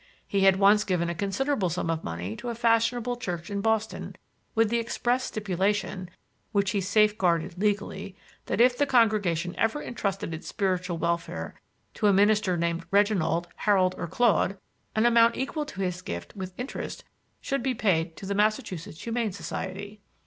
He had once given a considerable sum of money to a fashionable church in Boston with the express stipulation, which he safeguarded legally, that if the congregation ever intrusted its spiritual welfare to a minister named Reginald, Harold or Claude, an amount equal to his gift, with interest, should be paid to the Massachusetts Humane Society.